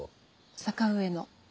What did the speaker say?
坂上の。